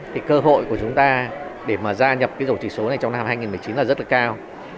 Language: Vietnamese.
thì cơ hội của chúng ta để mà gia nhập cái rổ chỉ số này trong năm hai nghìn một mươi chín là rất là cao